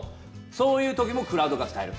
そういう時もクラウドが使える。